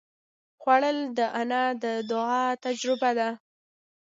خوړل د انا د دعا تجربه ده